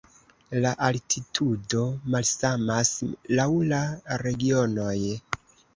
La altitudo malsamas laŭ la regionoj.